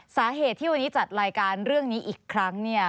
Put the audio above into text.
สาเหตุที่วันนี้จัดรายการเรื่องนี้อีกครั้งเนี่ย